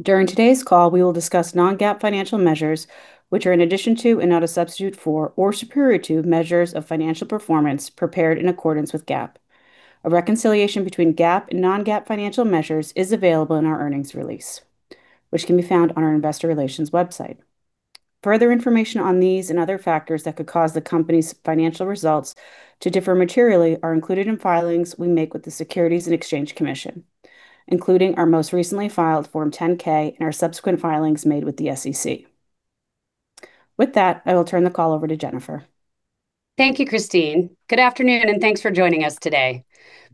During today's call, we will discuss non-GAAP financial measures, which are in addition to and not a substitute for or superior to measures of financial performance prepared in accordance with GAAP. A reconciliation between GAAP and non-GAAP financial measures is available in our earnings release, which can be found on our investor relations website. Further information on these and other factors that could cause the company's financial results to differ materially are included in filings we make with the Securities and Exchange Commission, including our most recently filed Form 10-K and our subsequent filings made with the SEC. With that, I will turn the call over to Jennifer. Thank you, Christine. Good afternoon, and thanks for joining us today.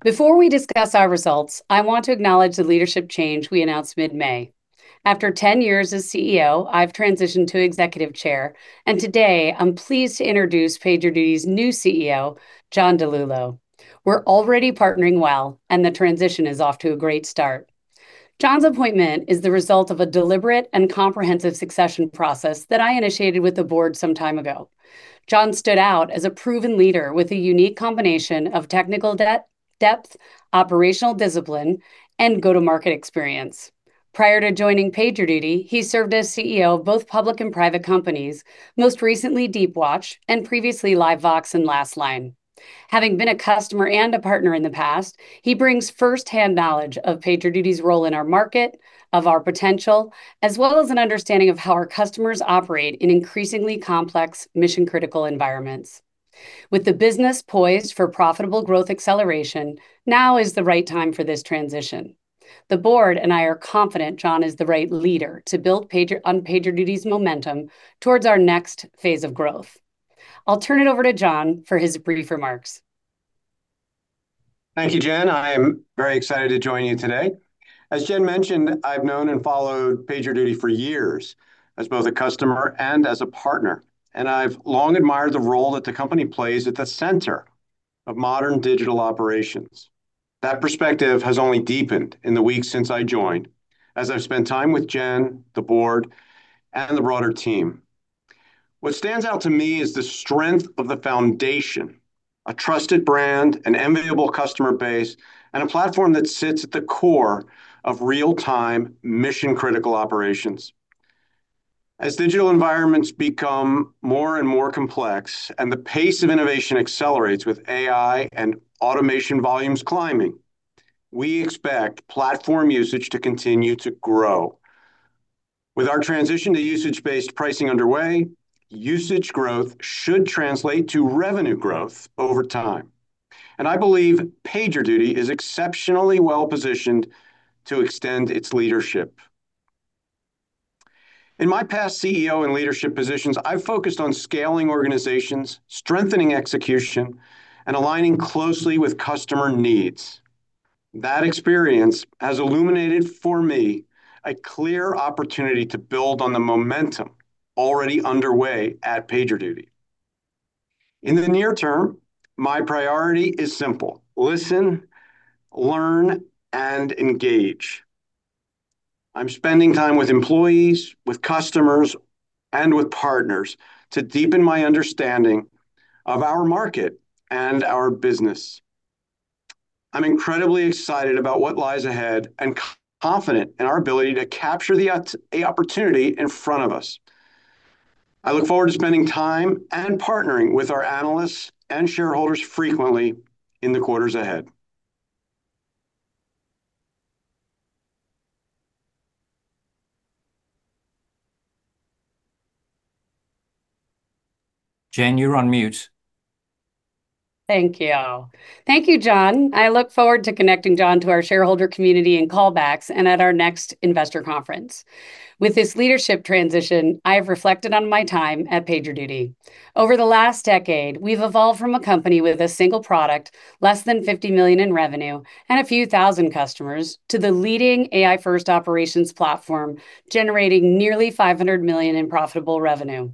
Before we discuss our results, I want to acknowledge the leadership change we announced mid-May. After 10 years as CEO, I've transitioned to Executive Chair, and today I'm pleased to introduce PagerDuty's new CEO, John DiLullo. We're already partnering well, and the transition is off to a great start. John's appointment is the result of a deliberate and comprehensive succession process that I initiated with the board some time ago. John stood out as a proven leader with a unique combination of technical depth, operational discipline, and go-to-market experience. Prior to joining PagerDuty, he served as CEO of both public and private companies, most recently Deepwatch, and previously LiveVox and Lastline. Having been a customer and a partner in the past, he brings firsthand knowledge of PagerDuty's role in our market, of our potential, as well as an understanding of how our customers operate in increasingly complex mission-critical environments. With the business poised for profitable growth acceleration, now is the right time for this transition. The board and I are confident John is the right leader to build on PagerDuty's momentum towards our next phase of growth. I'll turn it over to John for his brief remarks. Thank you, Jen. I am very excited to join you today. As Jen mentioned, I've known and followed PagerDuty for years as both a customer and as a partner, and I've long admired the role that the company plays at the center of modern digital operations. That perspective has only deepened in the weeks since I joined, as I've spent time with Jen, the board, and the broader team. What stands out to me is the strength of the foundation, a trusted brand, an enviable customer base, and a platform that sits at the core of real-time, mission-critical operations. As digital environments become more and more complex and the pace of innovation accelerates with AI and automation volumes climbing, we expect platform usage to continue to grow. With our transition to usage-based pricing underway, usage growth should translate to revenue growth over time, and I believe PagerDuty is exceptionally well-positioned to extend its leadership. In my past CEO and leadership positions, I've focused on scaling organizations, strengthening execution, and aligning closely with customer needs. That experience has illuminated for me a clear opportunity to build on the momentum already underway at PagerDuty. In the near term, my priority is simple: listen, learn, and engage. I'm spending time with employees, with customers, and with partners to deepen my understanding of our market and our business. I'm incredibly excited about what lies ahead and confident in our ability to capture the opportunity in front of us. I look forward to spending time and partnering with our analysts and shareholders frequently in the quarters ahead. Jennifer, you're on mute. Thank you. Thank you, John. I look forward to connecting John to our shareholder community in callbacks and at our next investor conference. With this leadership transition, I have reflected on my time at PagerDuty. Over the last decade, we've evolved from a company with a single product, less than $50 million in revenue, and a few thousand customers to the leading AI-first operations platform, generating nearly $500 million in profitable revenue.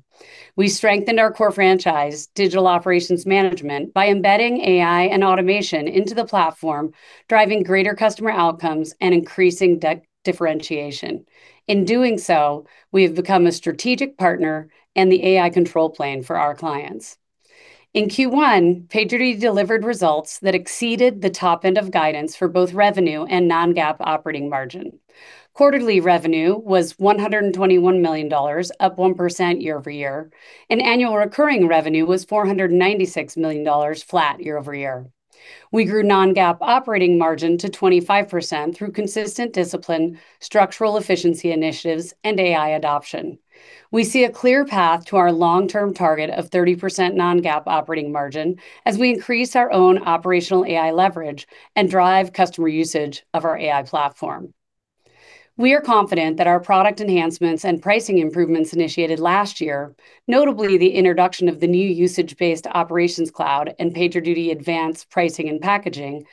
We strengthened our core franchise, digital operations management, by embedding AI and automation into the platform, driving greater customer outcomes, and increasing differentiation. In doing so, we have become a strategic partner and the AI control plane for our clients. In Q1, PagerDuty delivered results that exceeded the top end of guidance for both revenue and non-GAAP operating margin. Quarterly revenue was $121 million, up 1% year-over-year, and annual recurring revenue was $496 million, flat year-over-year. We grew non-GAAP operating margin to 25% through consistent discipline, structural efficiency initiatives, and AI adoption. We see a clear path to our long-term target of 30% non-GAAP operating margin as we increase our own operational AI leverage and drive customer usage of our AI platform. We are confident that our product enhancements and pricing improvements initiated last year, notably the introduction of the new usage-based Operations Cloud and PagerDuty Advance pricing and packaging,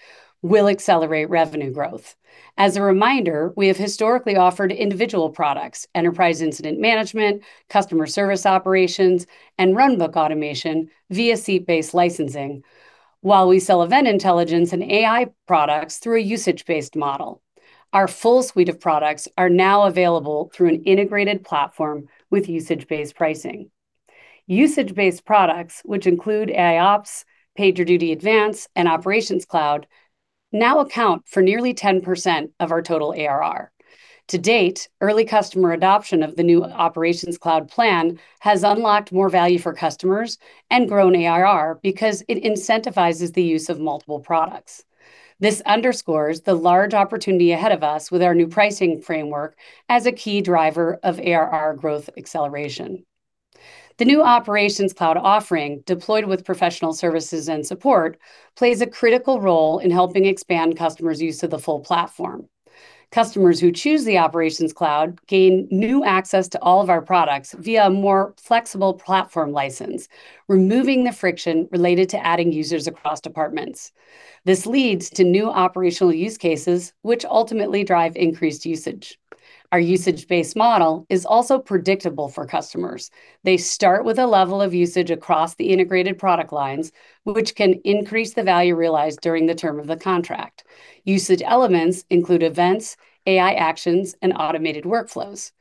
will accelerate revenue growth. As a reminder, we have historically offered individual products, Enterprise Incident Management, Customer Service Operations, and Runbook Automation via seat-based licensing. While we sell Event Intelligence and AI products through a usage-based model. Our full suite of products are now available through an integrated platform with usage-based pricing. Usage-based products, which include AIOps, PagerDuty Advance, and Operations Cloud, now account for nearly 10% of our total ARR. To date, early customer adoption of the new Operations Cloud plan has unlocked more value for customers and grown ARR because it incentivizes the use of multiple products. This underscores the large opportunity ahead of us with our new pricing framework as a key driver of ARR growth acceleration. The new Operations Cloud offering, deployed with professional services and support, plays a critical role in helping expand customers' use of the full platform. Customers who choose the Operations Cloud gain new access to all of our products via a more flexible platform license, removing the friction related to adding users across departments. This leads to new operational use cases, which ultimately drive increased usage. Our usage-based model is also predictable for customers. They start with a level of usage across the integrated product lines, which can increase the value realized during the term of the contract. Usage elements include events, AI actions, and automated workflows.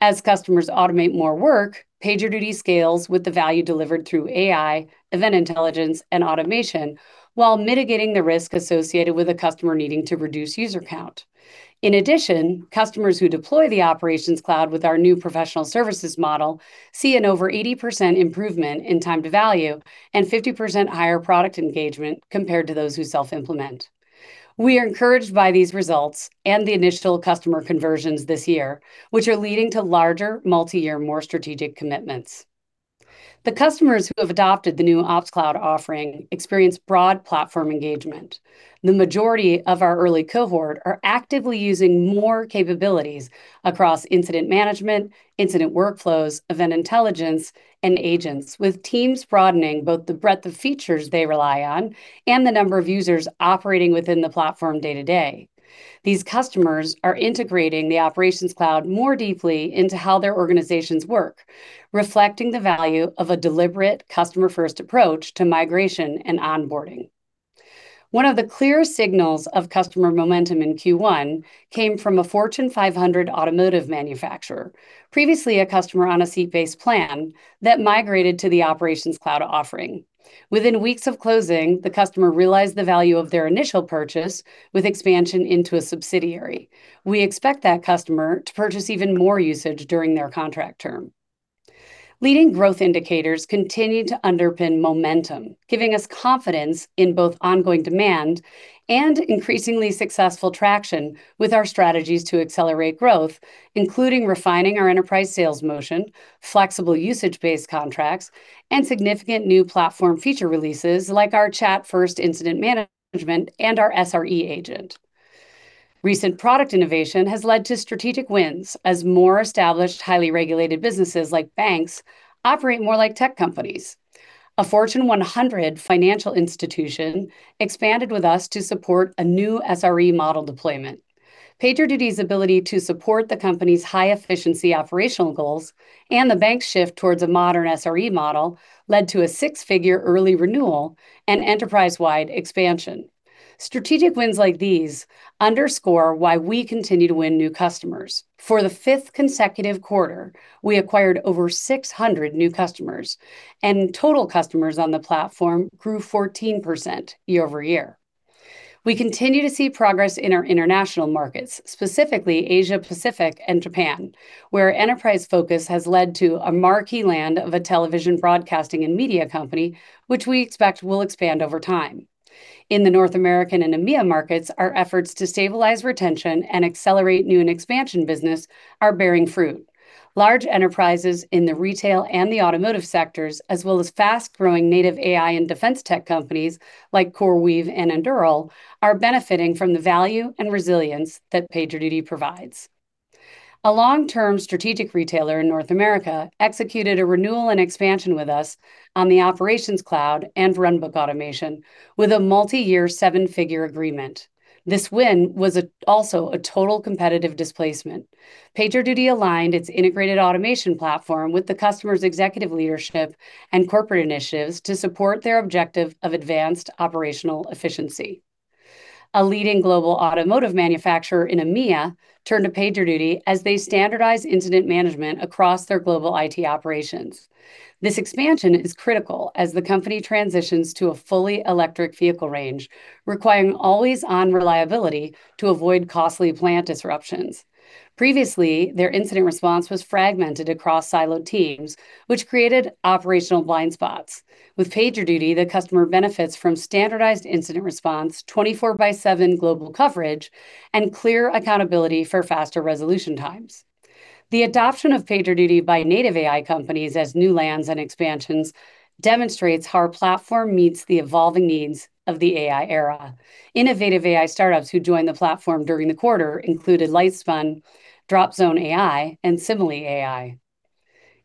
As customers automate more work, PagerDuty scales with the value delivered through AI, Event Intelligence, and automation while mitigating the risk associated with a customer needing to reduce user count. In addition, customers who deploy the Operations Cloud with our new professional services model see an over 80% improvement in time to value and 50% higher product engagement compared to those who self-implement. We are encouraged by these results and the initial customer conversions this year, which are leading to larger, multi-year, more strategic commitments. The customers who have adopted the new Ops Cloud offering experience broad platform engagement. The majority of our early cohort are actively using more capabilities across incident management, incident workflows, Event Intelligence, and agents, with teams broadening both the breadth of features they rely on and the number of users operating within the platform day to day. These customers are integrating the Operations Cloud more deeply into how their organizations work, reflecting the value of a deliberate customer-first approach to migration and onboarding. One of the clear signals of customer momentum in Q1 came from a Fortune 500 automotive manufacturer, previously a customer on a seat-based plan that migrated to the Operations Cloud offering. Within weeks of closing, the customer realized the value of their initial purchase with expansion into a subsidiary. We expect that customer to purchase even more usage during their contract term. Leading growth indicators continue to underpin momentum, giving us confidence in both ongoing demand and increasingly successful traction with our strategies to accelerate growth, including refining our enterprise sales motion, flexible usage-based contracts, and significant new platform feature releases like our chat first incident management and our SRE Agent. Recent product innovation has led to strategic wins as more established, highly regulated businesses like banks operate more like tech companies. A Fortune 100 financial institution expanded with us to support a new SRE model deployment. PagerDuty's ability to support the company's high-efficiency operational goals and the bank's shift towards a modern SRE model led to a six-figure early renewal and enterprise-wide expansion. Strategic wins like these underscore why we continue to win new customers. For the 5th consecutive quarter, we acquired over 600 new customers, and total customers on the platform grew 14% year-over-year. We continue to see progress in our international markets, specifically Asia-Pacific and Japan, where enterprise focus has led to a marquee land of a television broadcasting and media company, which we expect will expand over time. In the North American and EMEA markets, our efforts to stabilize retention and accelerate new and expansion business are bearing fruit. Large enterprises in the retail and the automotive sectors, as well as fast-growing native AI and defense tech companies like CoreWeave and Anduril are benefiting from the value and resilience that PagerDuty provides. A long-term strategic retailer in North America executed a renewal and expansion with us on the Operations Cloud and Runbook Automation with a multi-year, seven-figure agreement. This win was also a total competitive displacement. PagerDuty aligned its integrated automation platform with the customer's executive leadership and corporate initiatives to support their objective of advanced operational efficiency. A leading global automotive manufacturer in EMEA turned to PagerDuty as they standardize incident management across their global IT operations. This expansion is critical as the company transitions to a fully electric vehicle range, requiring always-on reliability to avoid costly plant disruptions. Previously, their incident response was fragmented across siloed teams, which created operational blind spots. With PagerDuty, the customer benefits from standardized incident response, 24 by 7 global coverage, and clear accountability for faster resolution times. The adoption of PagerDuty by native AI companies as new lands and expansions demonstrates how our platform meets the evolving needs of the AI era. Innovative AI startups who joined the platform during the quarter included Lightsfund, Dropzone AI, and Simile.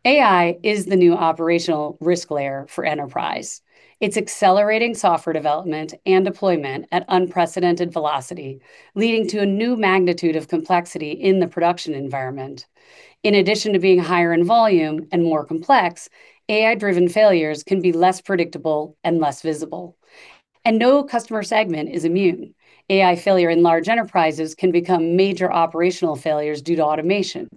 AI is the new operational risk layer for enterprise. It's accelerating software development and deployment at unprecedented velocity, leading to a new magnitude of complexity in the production environment. In addition to being higher in volume and more complex, AI-driven failures can be less predictable and less visible. No customer segment is immune. AI failure in large enterprises can become major operational failures due to automation.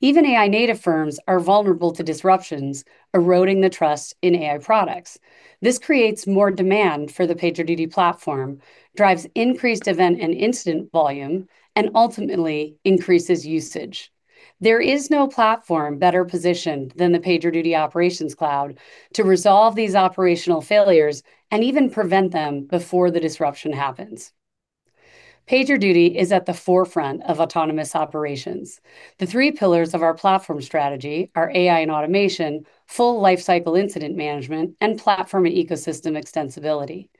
Even AI-native firms are vulnerable to disruptions, eroding the trust in AI products. This creates more demand for the PagerDuty platform, drives increased event and incident volume, and ultimately increases usage. There is no platform better positioned than the PagerDuty Operations Cloud to resolve these operational failures and even prevent them before the disruption happens. PagerDuty is at the forefront of autonomous operations. The three pillars of our platform strategy are AI and automation, full lifecycle incident management, and platform and ecosystem extensibility.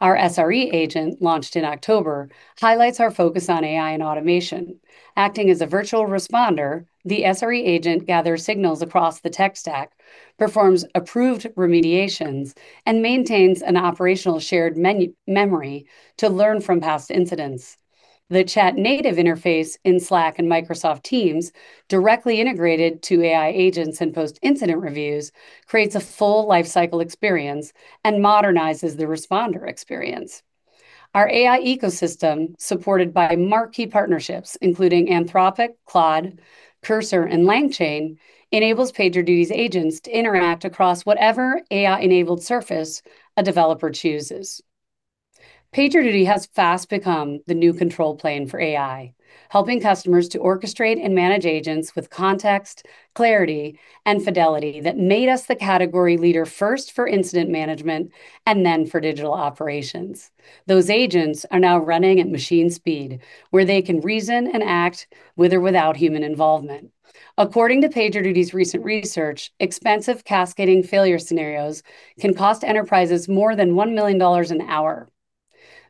Our SRE agent, launched in October, highlights our focus on AI and automation. Acting as a virtual responder, the SRE Agent gathers signals across the tech stack, performs approved remediations, and maintains an operational shared memory to learn from past incidents. The chat-native interface in Slack and Microsoft Teams directly integrated to AI agents and post-incident reviews creates a full lifecycle experience and modernizes the responder experience. Our AI ecosystem, supported by marquee partnerships including Anthropic, Claude, Cursor, and LangChain, enables PagerDuty's agents to interact across whatever AI-enabled surface a developer chooses. PagerDuty has fast become the new control plane for AI, helping customers to orchestrate and manage agents with context, clarity, and fidelity that made us the category leader first for incident management and then for digital operations. Those agents are now running at machine speed, where they can reason and act with or without human involvement. According to PagerDuty's recent research, expensive cascading failure scenarios can cost enterprises more than $1 million an hour.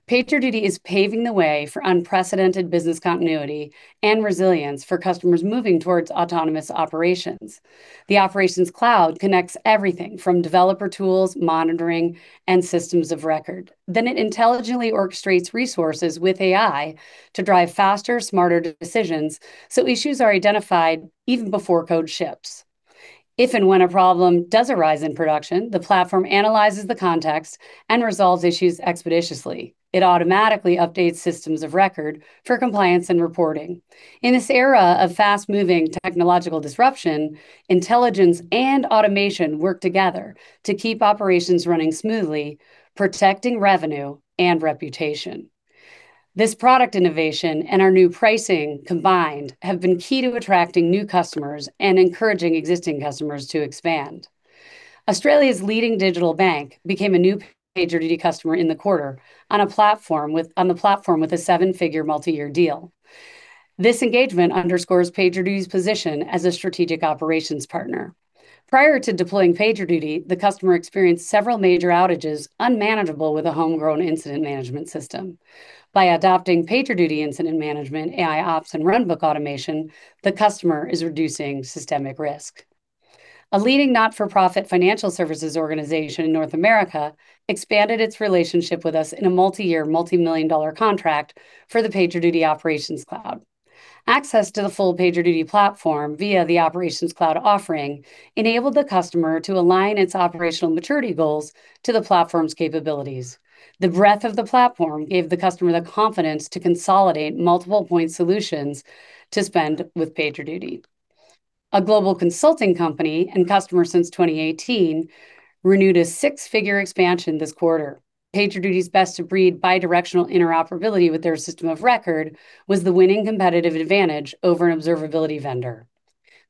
PagerDuty is paving the way for unprecedented business continuity and resilience for customers moving towards autonomous operations. The Operations Cloud connects everything from developer tools, monitoring, and systems of record. It intelligently orchestrates resources with AI to drive faster, smarter decisions so issues are identified even before code ships. If and when a problem does arise in production, the platform analyzes the context and resolves issues expeditiously. It automatically updates systems of record for compliance and reporting. In this era of fast-moving technological disruption, intelligence and automation work together to keep operations running smoothly, protecting revenue and reputation. This product innovation and our new pricing combined have been key to attracting new customers and encouraging existing customers to expand. Australia's leading digital bank became a new PagerDuty customer in the quarter on the platform with a seven-figure multi-year deal. This engagement underscores PagerDuty's position as a strategic operations partner. Prior to deploying PagerDuty, the customer experienced several major outages unmanageable with a homegrown incident management system. By adopting PagerDuty incident management, AIOps, and Runbook Automation, the customer is reducing systemic risk. A leading not-for-profit financial services organization in North America expanded its relationship with us in a multi-year, multi-million dollar contract for the PagerDuty Operations Cloud. Access to the full PagerDuty platform via the Operations Cloud offering enabled the customer to align its operational maturity goals to the platform's capabilities. The breadth of the platform gave the customer the confidence to consolidate multiple point solutions to spend with PagerDuty. A global consulting company and customer since 2018 renewed a six-figure expansion this quarter. PagerDuty's best-of-breed bi-directional interoperability with their system of record was the winning competitive advantage over an observability vendor.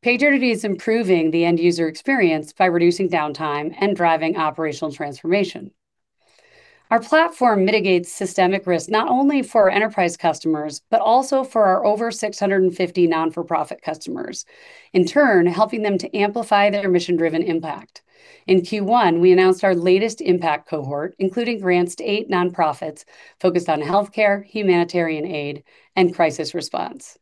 PagerDuty is improving the end-user experience by reducing downtime and driving operational transformation. Our platform mitigates systemic risk not only for our enterprise customers, but also for our over 650 non-profit customers, in turn helping them to amplify their mission-driven impact. In Q1, we announced our latest impact cohort, including grants to eight nonprofits focused on healthcare, humanitarian aid, and crisis response.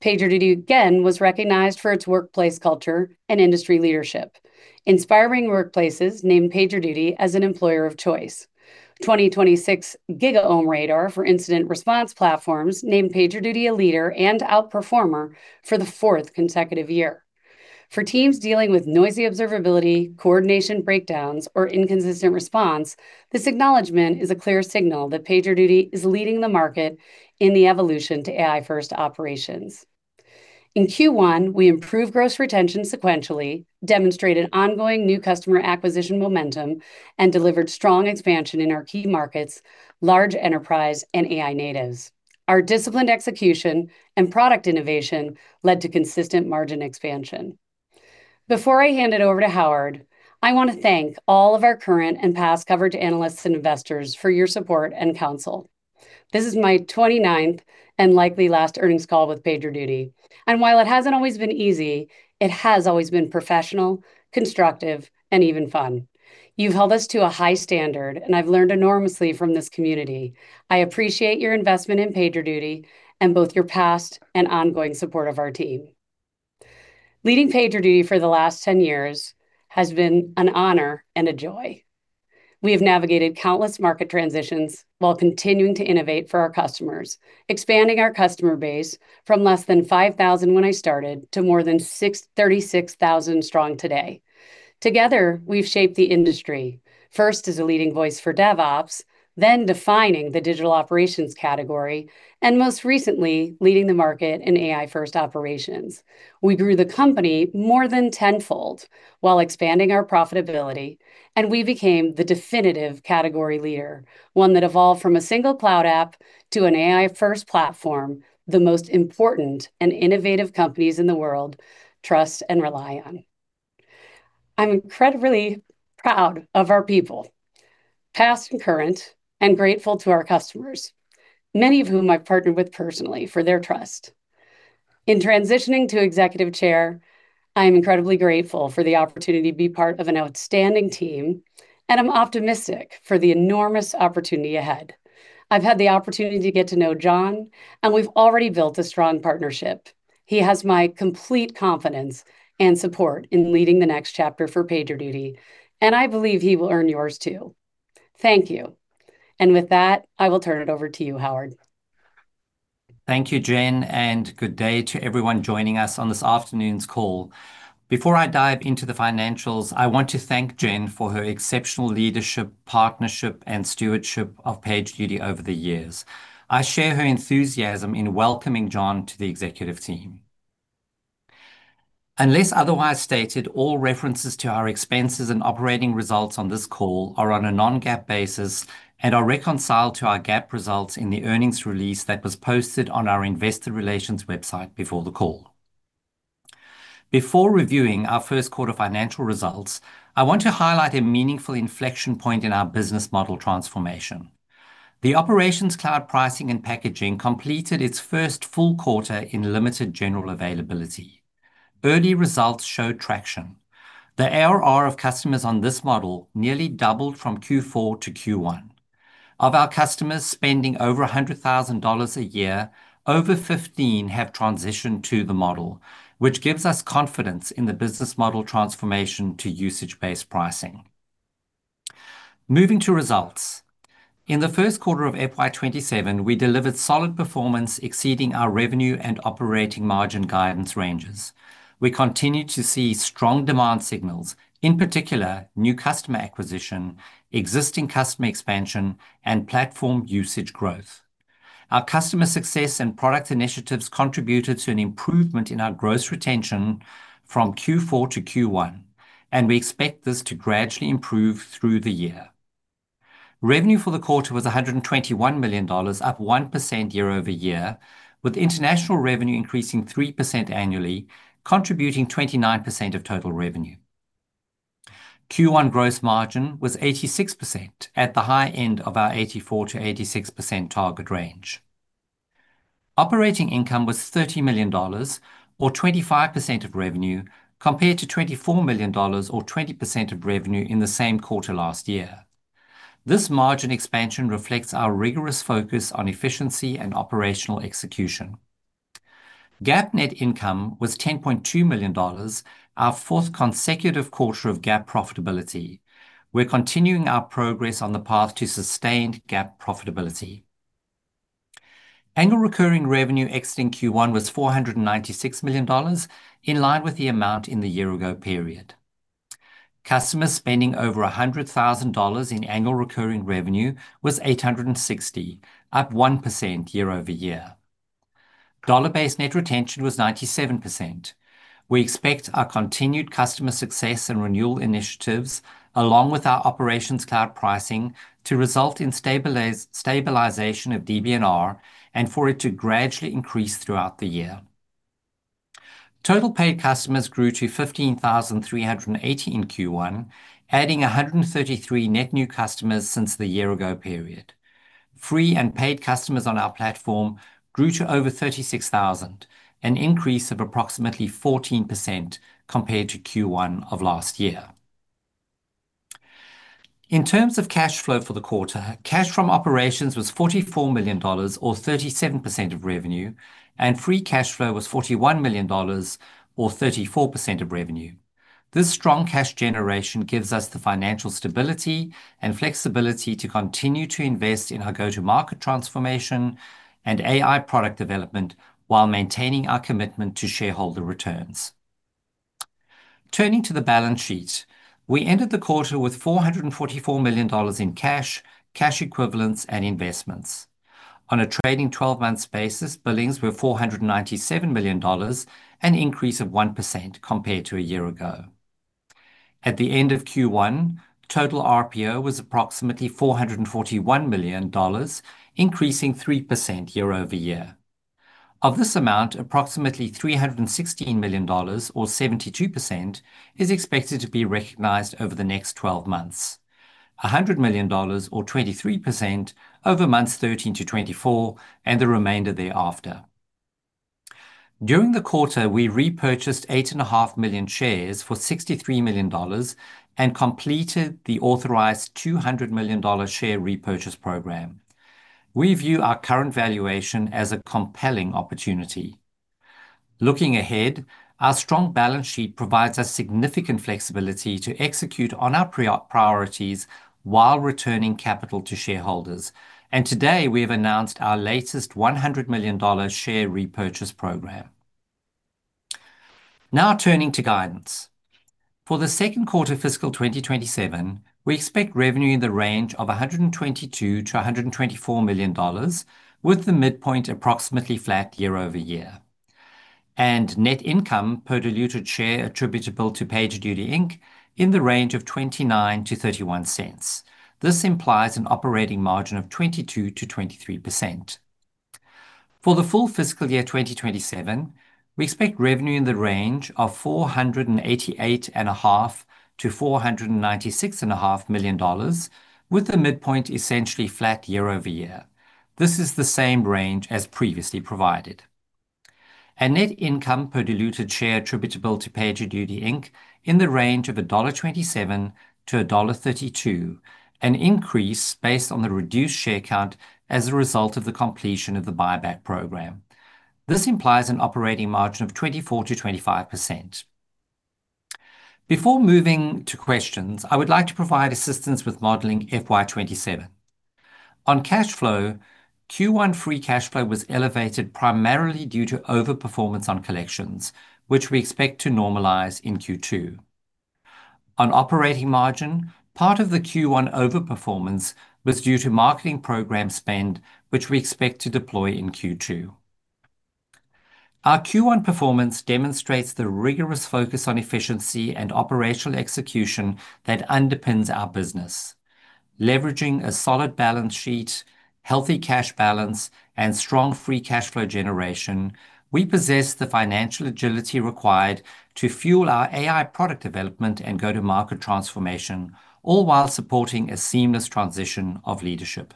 PagerDuty again was recognized for its workplace culture and industry leadership. Inspiring Workplaces named PagerDuty as an employer of choice. 2026 GigaOm Radar for incident response platforms named PagerDuty a leader and outperformer for the fourth consecutive year. For teams dealing with noisy observability, coordination breakdowns, or inconsistent response, this acknowledgment is a clear signal that PagerDuty is leading the market in the evolution to AI-first operations. In Q1, we improved gross retention sequentially, demonstrated ongoing new customer acquisition momentum, and delivered strong expansion in our key markets, large enterprise and AI natives. Our disciplined execution and product innovation led to consistent margin expansion. Before I hand it over to Howard, I want to thank all of our current and past coverage analysts and investors for your support and counsel. This is my 29th and likely last earnings call with PagerDuty, and while it hasn't always been easy, it has always been professional, constructive, and even fun. You've held us to a high standard, and I've learned enormously from this community. I appreciate your investment in PagerDuty and both your past and ongoing support of our team. Leading PagerDuty for the last 10 years has been an honor and a joy. We have navigated countless market transitions while continuing to innovate for our customers, expanding our customer base from less than 5,000 when I started to more than 36,000 strong today. Together, we've shaped the industry, first as a leading voice for DevOps, then defining the digital operations category, and most recently, leading the market in AI-first operations. We grew the company more than tenfold while expanding our profitability, and we became the definitive category leader, one that evolved from a single cloud app to an AI-first platform the most important and innovative companies in the world trust and rely on. I'm incredibly proud of our people, past and current, and grateful to our customers, many of whom I've partnered with personally, for their trust. In transitioning to executive chair, I am incredibly grateful for the opportunity to be part of an outstanding team, and I'm optimistic for the enormous opportunity ahead. I've had the opportunity to get to know John, and we've already built a strong partnership. He has my complete confidence and support in leading the next chapter for PagerDuty, and I believe he will earn yours, too. Thank you. With that, I will turn it over to you, Howard. Thank you, Jennifer, and good day to everyone joining us on this afternoon's call. Before I dive into the financials, I want to thank Jennifer for her exceptional leadership, partnership, and stewardship of PagerDuty over the years. I share her enthusiasm in welcoming John to the executive team. Unless otherwise stated, all references to our expenses and operating results on this call are on a non-GAAP basis and are reconciled to our GAAP results in the earnings release that was posted on our investor relations website before the call. Before reviewing our Q1 financial results, I want to highlight a meaningful inflection point in our business model transformation. The Operations Cloud pricing and packaging completed its first full quarter in limited general availability. Early results show traction. The ARR of customers on this model nearly doubled from Q4 to Q1. Of our customers spending over $100,000 a year, over 15 have transitioned to the model, which gives us confidence in the business model transformation to usage-based pricing. Moving to results. In the Q1 of FY 2027, we delivered solid performance exceeding our revenue and operating margin guidance ranges. We continue to see strong demand signals, in particular, new customer acquisition, existing customer expansion, and platform usage growth. Our customer success and product initiatives contributed to an improvement in our gross retention from Q4 to Q1, and we expect this to gradually improve through the year. Revenue for the quarter was $121 million, up 1% year-over-year, with international revenue increasing 3% annually, contributing 29% of total revenue. Q1 gross margin was 86%, at the high end of our 84% to 86% target range. Operating income was $30 million, or 25% of revenue, compared to $24 million, or 20% of revenue in the same quarter last year. This margin expansion reflects our rigorous focus on efficiency and operational execution. GAAP net income was $10.2 million, our fourth consecutive quarter of GAAP profitability. We're continuing our progress on the path to sustained GAAP profitability. Annual recurring revenue exiting Q1 was $496 million, in line with the amount in the year-ago period. Customers spending over $100,000 in annual recurring revenue was 860, up 1% year-over-year. Dollar-based net retention was 97%. We expect our continued customer success and renewal initiatives, along with our Operations Cloud pricing, to result in stabilization of DBNR and for it to gradually increase throughout the year. Total paid customers grew to 15,380 in Q1, adding 133 net new customers since the year-ago period. Free and paid customers on our platform grew to over 36,000, an increase of approximately 14% compared to Q1 of last year. In terms of cash flow for the quarter, cash from operations was $44 million, or 37% of revenue, and free cash flow was $41 million, or 34% of revenue. This strong cash generation gives us the financial stability and flexibility to continue to invest in our go-to-market transformation and AI product development while maintaining our commitment to shareholder returns. Turning to the balance sheet, we ended the quarter with $444 million in cash equivalents, and investments. On a trailing 12 months basis, billings were $497 million, an increase of 1% compared to a year ago. At the end of Q1, total RPO was approximately $441 million, increasing 3% year-over-year. Of this amount, approximately $316 million, or 72%, is expected to be recognized over the next 12 months, $100 million, or 23%, over months 13 to 24, and the remainder thereafter. During the quarter, we repurchased 8.5 million shares for $63 million and completed the authorized $200 million share repurchase program. We view our current valuation as a compelling opportunity. Looking ahead, our strong balance sheet provides us significant flexibility to execute on our priorities while returning capital to shareholders. Today, we have announced our latest $100 million share repurchase program. Now, turning to guidance. For the second quarter of fiscal 2027, we expect revenue in the range of $122 million to $124 million, with the midpoint approximately flat year-over-year. Net income per diluted share attributable to PagerDuty Inc. in the range of $0.29-$0.31. This implies an operating margin of 22% to 23%. For the full fiscal year 2027, we expect revenue in the range of $488.5 million to $496.5 million, with the midpoint essentially flat year-over-year. This is the same range as previously provided. Net income per diluted share attributable to PagerDuty Inc. in the range of $1.27to $1.32, an increase based on the reduced share count as a result of the completion of the buyback program. This implies an operating margin of 24% to 25%. Before moving to questions, I would like to provide assistance with modeling FY 2027. On cash flow, Q1 free cash flow was elevated primarily due to over-performance on collections, which we expect to normalize in Q2. On operating margin, part of the Q1 over-performance was due to marketing program spend, which we expect to deploy in Q2. Our Q1 performance demonstrates the rigorous focus on efficiency and operational execution that underpins our business. Leveraging a solid balance sheet, healthy cash balance, and strong free cash flow generation, we possess the financial agility required to fuel our AI product development and go-to-market transformation, all while supporting a seamless transition of leadership.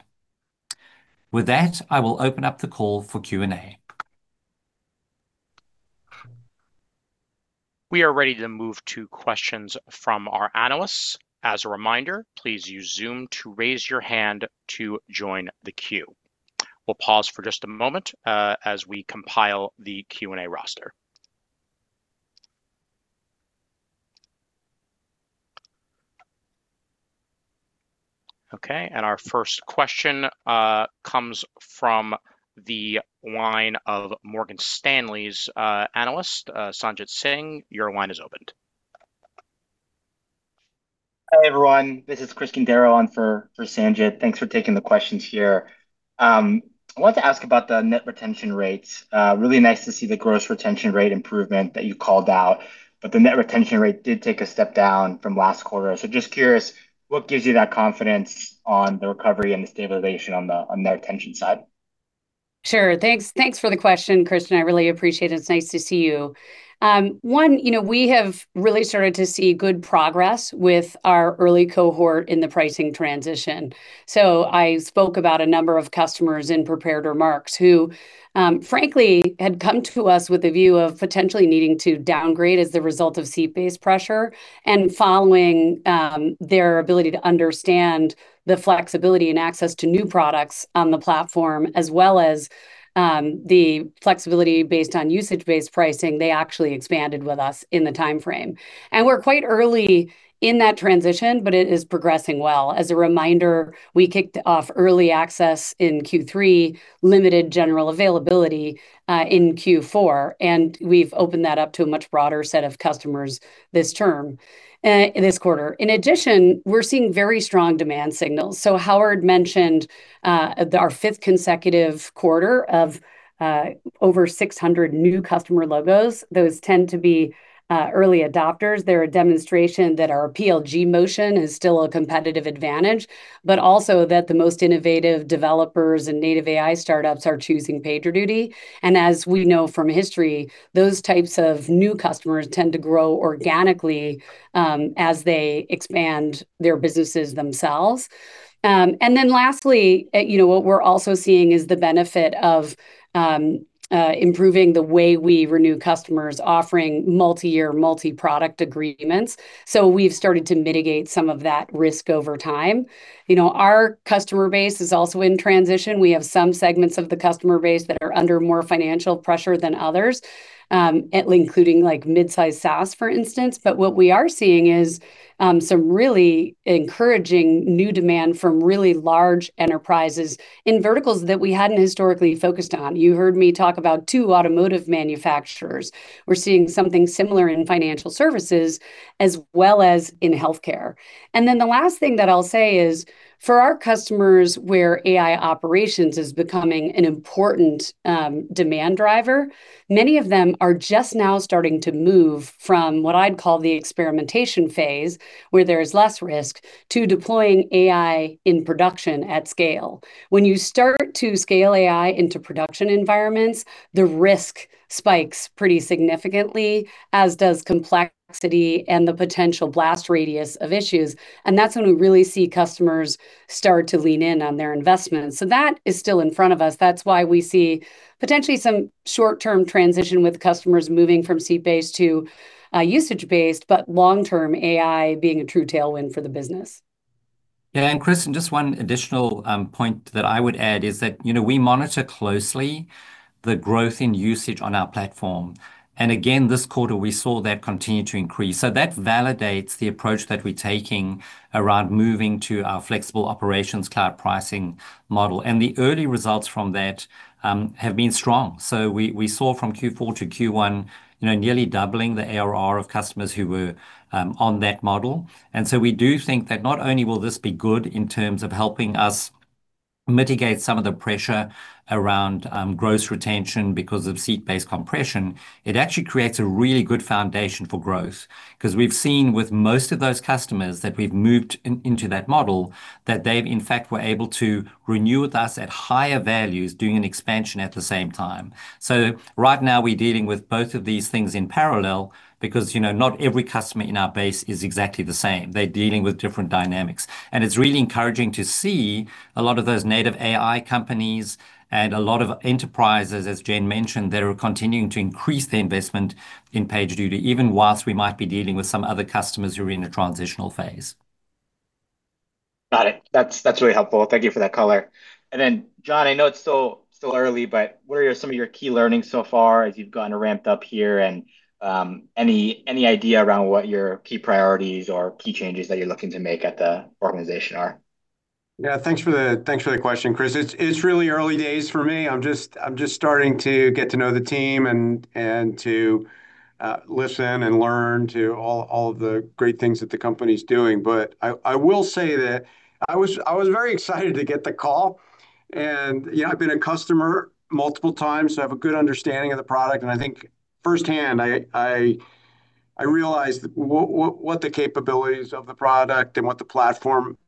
With that, I will open up the call for Q&A. We are ready to move to questions from our analysts. As a reminder, please use Zoom to raise your hand to join the queue. We'll pause for just a moment as we compile the Q&A roster. Okay, our first question comes from the line of Morgan Stanley's analyst, Sanjit Singh. Your line is opened. Hi, everyone. This is Christian Darrow on for Sanjit. Thanks for taking the questions here. I wanted to ask about the net retention rates. Really nice to see the gross retention rate improvement that you called out. The net retention rate did take a step down from last quarter. Just curious, what gives you that confidence on the recovery and the stabilization on the retention side? Sure. Thanks for the question, Christian. I really appreciate it. It's nice to see you. One, we have really started to see good progress with our early cohort in the pricing transition. I spoke about a number of customers in prepared remarks who, frankly, had come to us with a view of potentially needing to downgrade as the result of seat-based pressure. Following their ability to understand the flexibility and access to new products on the platform, as well as the flexibility based on usage-based pricing, they actually expanded with us in the timeframe. We're quite early in that transition, but it is progressing well. As a reminder, we kicked off early access in Q3, limited general availability in Q4, and we've opened that up to a much broader set of customers this quarter. In addition, we're seeing very strong demand signals. Howard mentioned our fifth consecutive quarter of over 600 new customer logos. Those tend to be early adopters. They're a demonstration that our PLG motion is still a competitive advantage, but also that the most innovative developers and native AI startups are choosing PagerDuty. As we know from history, those types of new customers tend to grow organically as they expand their businesses themselves. Lastly, what we're also seeing is the benefit of improving the way we renew customers offering multi-year, multi-product agreements. We've started to mitigate some of that risk over time. Our customer base is also in transition. We have some segments of the customer base that are under more financial pressure than others, including mid-sized SaaS, for instance. What we are seeing is some really encouraging new demand from really large enterprises in verticals that we hadn't historically focused on. You heard me talk about two automotive manufacturers. We're seeing something similar in financial services as well as in healthcare. The last thing that I'll say is, for our customers where AI operations is becoming an important demand driver, many of them are just now starting to move from what I'd call the experimentation phase, where there is less risk, to deploying AI in production at scale. When you start to scale AI into production environments, the risk spikes pretty significantly, as does complexity and the potential blast radius of issues. That's when we really see customers start to lean in on their investments. That is still in front of us. That's why we see potentially some short-term transition with customers moving from seat-based to usage-based, but long-term AI being a true tailwind for the business. Chris, just one additional point that I would add is that we monitor closely the growth in usage on our platform. Again, this quarter, we saw that continue to increase. That validates the approach that we're taking around moving to our flexible Operations Cloud pricing model. The early results from that have been strong. We saw from Q4 to Q1, nearly doubling the ARR of customers who were on that model. We do think that not only will this be good in terms of helping us mitigate some of the pressure around gross retention because of seat-based compression, it actually creates a really good foundation for growth. Because we've seen with most of those customers that we've moved into that model, that they, in fact, were able to renew with us at higher values during an expansion at the same time. Right now we're dealing with both of these things in parallel because not every customer in our base is exactly the same. They're dealing with different dynamics. It's really encouraging to see a lot of those native AI companies and a lot of enterprises, as Jennifer mentioned, that are continuing to increase their investment in PagerDuty, even while we might be dealing with some other customers who are in a transitional phase. Got it. That's really helpful. Thank you for that color. Then John, I know it's still early, but what are some of your key learnings so far as you've gone and ramped up here and, any idea around what your key priorities or key changes that you're looking to make at the organization are? Yeah, thanks for the question, Chris. It's really early days for me. I'm just starting to get to know the team and to listen and learn to all of the great things that the company's doing. I will say that I was very excited to get the call. I've been a customer multiple times, so I have a good understanding of the product. I think firsthand, I realized what the capabilities of the product and what the platform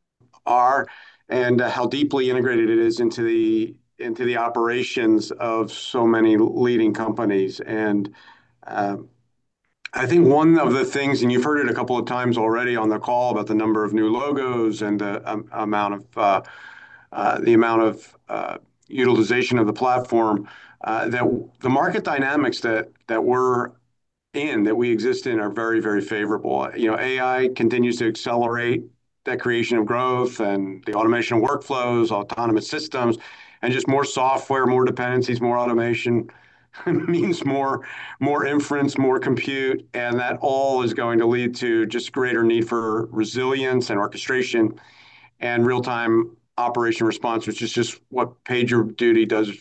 are, and how deeply integrated it is into the operations of so many leading companies. I think one of the things, and you've heard it a couple of times already on the call about the number of new logos and the amount of utilization of the platform, that the market dynamics that we're in, that we exist in, are very, very favorable. AI continues to accelerate that creation of growth and the automation of workflows, autonomous systems, and just more software, more dependencies, more automation means more inference, more compute, and that all is going to lead to just greater need for resilience and orchestration and real-time operation response, which is just what PagerDuty does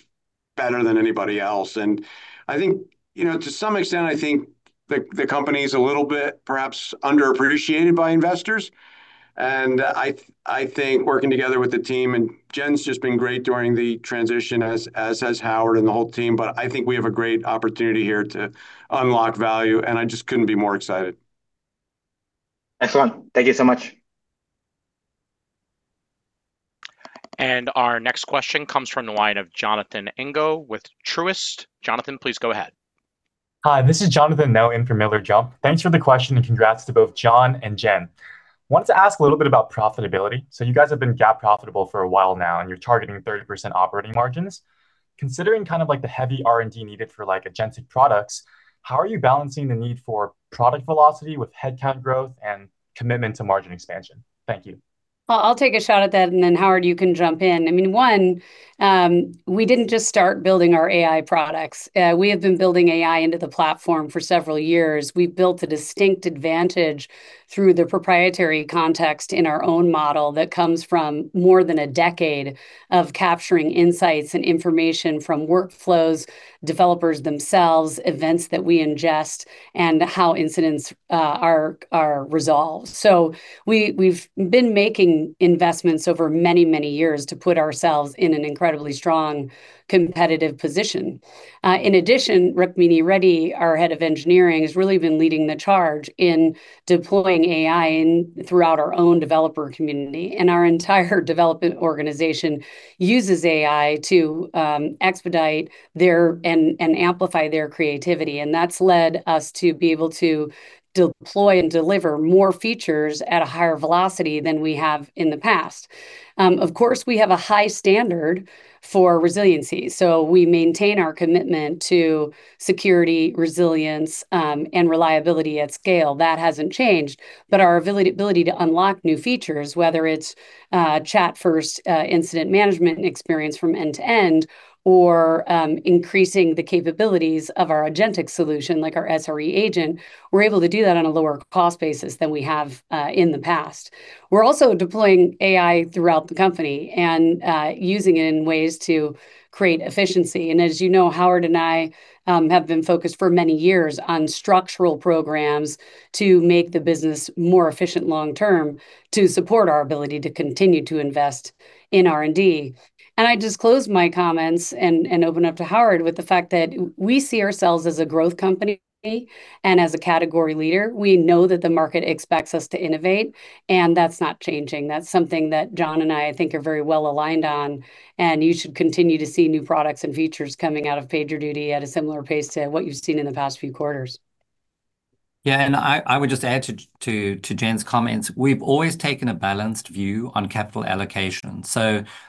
better than anybody else. I think to some extent, I think the company's a little bit perhaps underappreciated by investors. I think working together with the team, Jennifer's just been great during the transition, as has Howard and the whole team, I think we have a great opportunity here to unlock value, I just couldn't be more excited. Excellent. Thank you so much. Our next question comes from the line of Jonathan Ngo with Truist. Jonathan, please go ahead. Hi, this is Jonathan Ngo in for Miller Jump. Thanks for the question, and congrats to both John and Jen. Wanted to ask a little bit about profitability. You guys have been GAAP profitable for a while now, and you're targeting 30% operating margins. Considering the heavy R&D needed for agentic products, how are you balancing the need for product velocity with headcount growth and commitment to margin expansion? Thank you. I'll take a shot at that, and then Howard, you can jump in. One, we didn't just start building our AI products. We have been building AI into the platform for several years. We've built a distinct advantage through the proprietary context in our own model that comes from more than a decade of capturing insights and information from workflows, developers themselves, events that we ingest, and how incidents are resolved. We've been making investments over many, many years to put ourselves in an incredibly strong competitive position. In addition, Rukmini Reddy, our head of engineering, has really been leading the charge in deploying AI throughout our own developer community, and our entire development organization uses AI to expedite their and amplify their creativity. That's led us to be able to deploy and deliver more features at a higher velocity than we have in the past. We have a high standard for resiliency. We maintain our commitment to security, resilience, and reliability at scale. That hasn't changed. Our ability to unlock new features, whether it's chat first incident management and experience from end to end, or increasing the capabilities of our agentic solution, like our SRE Agent, we're able to do that on a lower cost basis than we have in the past. We're also deploying AI throughout the company and using it in ways to create efficiency. As you know, Howard and I have been focused for many years on structural programs to make the business more efficient long term to support our ability to continue to invest in R&D. I just close my comments and open up to Howard with the fact that we see ourselves as a growth company and as a category leader. We know that the market expects us to innovate, and that's not changing. That's something that John and I think are very well aligned on, and you should continue to see new products and features coming out of PagerDuty at a similar pace to what you've seen in the past few quarters. I would just add to Jennifer's comments, we've always taken a balanced view on capital allocation.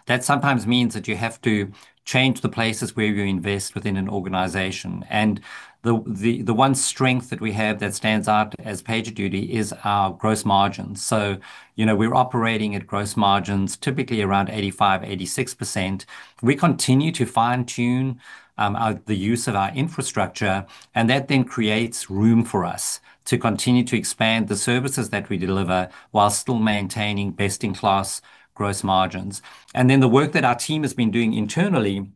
That sometimes means that you have to change the places where you invest within an organization. The one strength that we have that stands out as PagerDuty is our gross margins. We're operating at gross margins, typically around 85%, 86%. We continue to fine-tune the use of our infrastructure, and that then creates room for us to continue to expand the services that we deliver while still maintaining best-in-class gross margins. The work that our team has been doing internally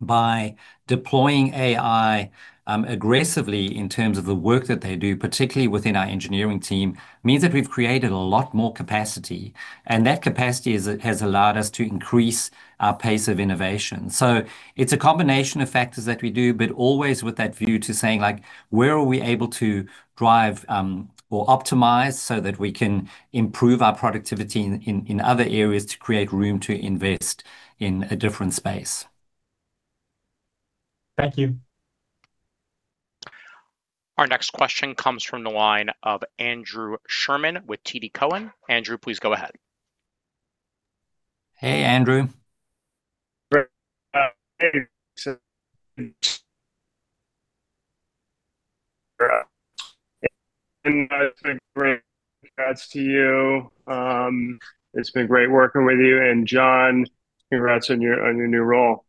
by deploying AI aggressively in terms of the work that they do, particularly within our engineering team, means that we've created a lot more capacity, and that capacity has allowed us to increase our pace of innovation. It's a combination of factors that we do, but always with that view to saying, like, where are we able to drive or optimize so that we can improve our productivity in other areas to create room to invest in a different space? Thank you. Our next question comes from the line of Andrew Sherman with TD Cowen. Andrew, please go ahead. Hey, Andrew. Congrats to you. It's been great working with you, and John, congrats on your new role.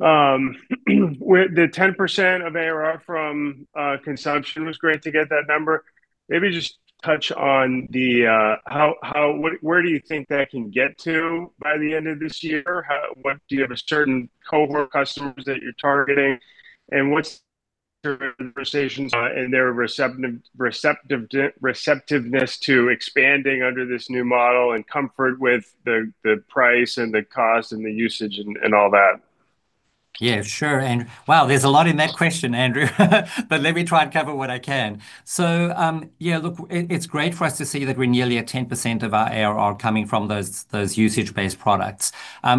The 10% of ARR from consumption was great to get that number. Maybe just touch on where do you think that can get to by the end of this year? Do you have a certain cohort of customers that you're targeting? What's the conversations and their receptiveness to expanding under this new model, and comfort with the price and the cost and the usage and all that? Yeah, sure, Andrew. Wow, there's a lot in that question, Andrew but let me try and cover what I can. Yeah, look, it's great for us to see that we're nearly at 10% of our ARR coming from those usage-based products.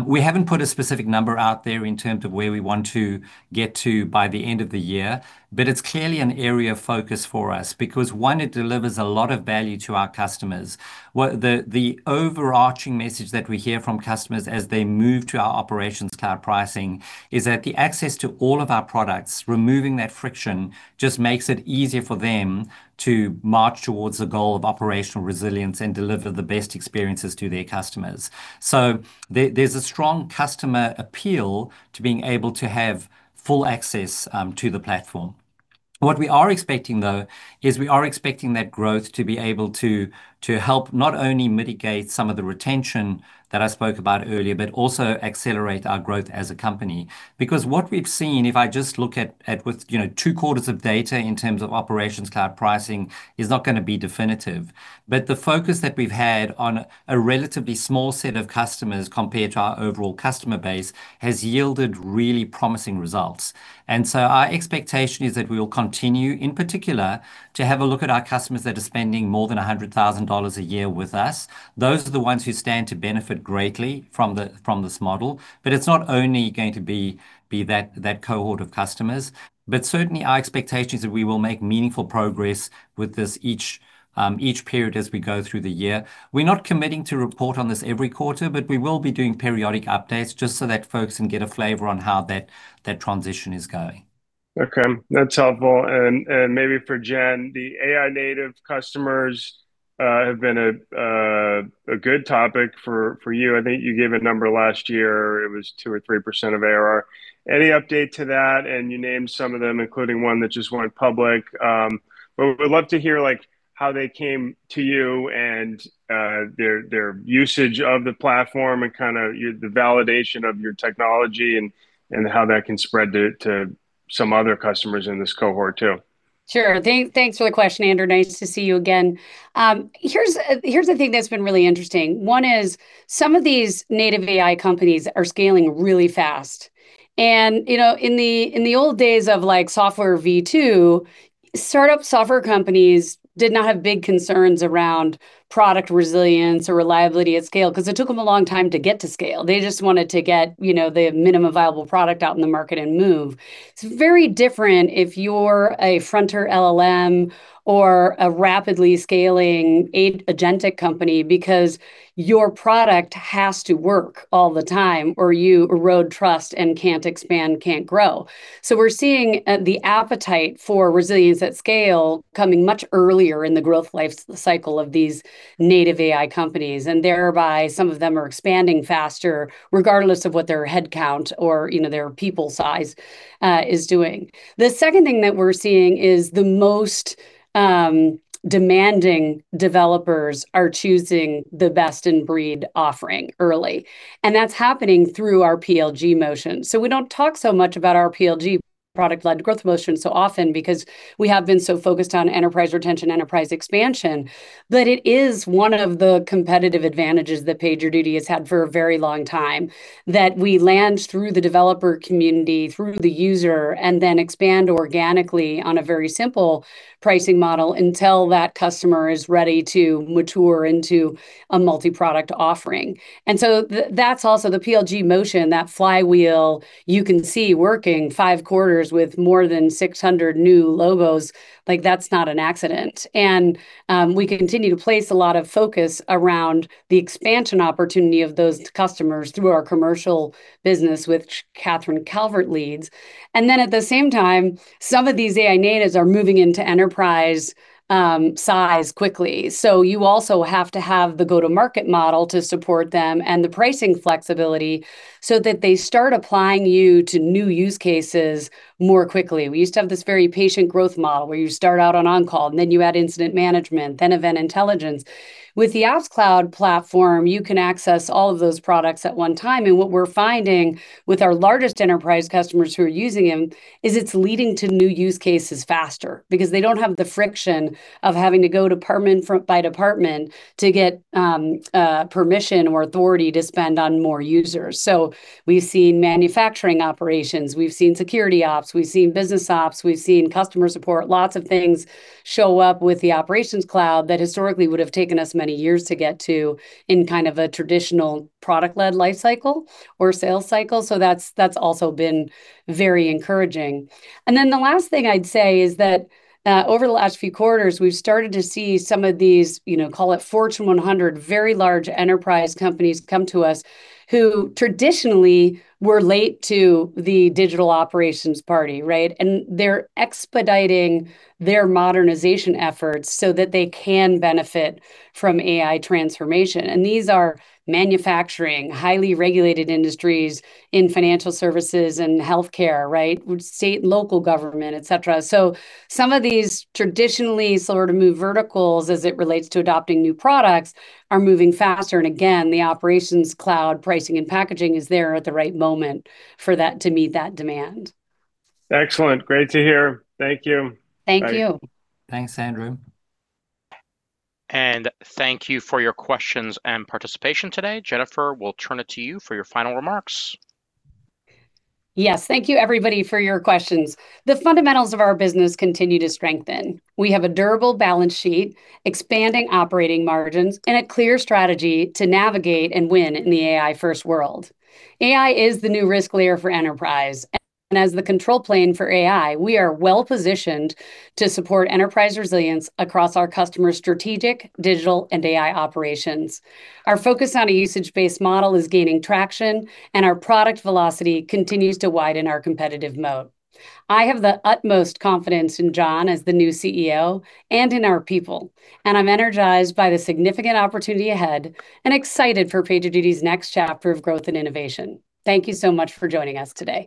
We haven't put a specific number out there in terms of where we want to get to by the end of the year, but it's clearly an area of focus for us because, one, it delivers a lot of value to our customers. The overarching message that we hear from customers as they move to our Operations Cloud pricing is that the access to all of our products, removing that friction, just makes it easier for them to march towards the goal of operational resilience and deliver the best experiences to their customers. There's a strong customer appeal to being able to have full access to the platform. What we are expecting, though, is we are expecting that growth to be able to help not only mitigate some of the retention that I spoke about earlier but also accelerate our growth as a company. What we've seen, if I just look at with two quarters of data in terms of Operations Cloud pricing, is not going to be definitive. The focus that we've had on a relatively small set of customers compared to our overall customer base has yielded really promising results. Our expectation is that we will continue, in particular, to have a look at our customers that are spending more than $100,000 a year with us. Those are the ones who stand to benefit greatly from this model. It's not only going to be that cohort of customers. Certainly, our expectation is that we will make meaningful progress with this each period as we go through the year. We're not committing to report on this every quarter, but we will be doing periodic updates just so that folks can get a flavor on how that transition is going. Okay, that's helpful. Maybe for Jen, the AI native customers have been a good topic for you. I think you gave a number last year. It was two or three% of ARR. Any update to that? You named some of them, including one that just went public. We would love to hear how they came to you and their usage of the platform and the validation of your technology and how that can spread to some other customers in this cohort, too. Sure. Thanks for the question, Andrew. Nice to see you again. Here's the thing that's been really interesting. One is some of these native AI companies are scaling really fast. In the old days of software V2, startup software companies did not have big concerns around product resilience or reliability at scale because it took them a long time to get to scale. They just wanted to get the minimum viable product out in the market and move. It's very different if you're a fronter LLM or a rapidly scaling agentic company because your product has to work all the time, or you erode trust and can't expand, can't grow. We're seeing the appetite for resilience at scale coming much earlier in the growth life cycle of these native AI companies, and thereby some of them are expanding faster, regardless of what their headcount or their people size is doing. The second thing that we're seeing is the most demanding developers are choosing the best-in-breed offering early. That's happening through our PLG motion. We don't talk so much about our PLG, product-led growth motion, so often because we have been so focused on enterprise retention, enterprise expansion. It is one of the competitive advantages that PagerDuty has had for a very long time, that we land through the developer community, through the user, and then expand organically on a very simple pricing model until that customer is ready to mature into a multi-product offering. That's also the PLG motion, that flywheel you can see working five quarters with more than 600 new logos. Like, that's not an accident. We continue to place a lot of focus around the expansion opportunity of those customers through our commercial business, which Katherine Calvert leads. At the same time, some of these AI natives are moving into enterprise-size quickly. You also have to have the go-to-market model to support them and the pricing flexibility so that they start applying you to new use cases more quickly. We used to have this very patient growth model, where you start out on-call, and then you add incident management, then Event Intelligence. With the Ops Cloud platform, you can access all of those products at one time. What we're finding with our largest enterprise customers who are using them is it's leading to new use cases faster, because they don't have the friction of having to go department by department to get permission or authority to spend on more users. We've seen manufacturing operations, we've seen security ops, we've seen business ops, we've seen customer support. Lots of things show up with the Operations Cloud that historically would've taken us many years to get to in kind of a traditional product-led life cycle or sales cycle. That's also been very encouraging. The last thing I'd say is that, over the last few quarters, we've started to see some of these, call it Fortune 100, very large enterprise companies come to us who traditionally were late to the digital operations party, right? They're expediting their modernization efforts so that they can benefit from AI transformation. These are manufacturing, highly regulated industries in financial services and healthcare, right, with state and local government, et cetera. Some of these traditionally slower-to-move verticals, as it relates to adopting new products, are moving faster. Again, the Operations Cloud pricing and packaging is there at the right moment for that to meet that demand. Excellent. Great to hear. Thank you. Thank you. Thanks, Andrew. Thank you for your questions and participation today. Jennifer, we'll turn it to you for your final remarks. Thank you, everybody, for your questions. The fundamentals of our business continue to strengthen. We have a durable balance sheet, expanding operating margins, and a clear strategy to navigate and win in the AI-first world. AI is the new risk layer for enterprise, and as the control plane for AI, we are well-positioned to support enterprise resilience across our customers' strategic, digital, and AI operations. Our focus on a usage-based model is gaining traction, and our product velocity continues to widen our competitive moat. I have the utmost confidence in John as the new CEO and in our people, and I'm energized by the significant opportunity ahead and excited for PagerDuty's next chapter of growth and innovation. Thank you so much for joining us today.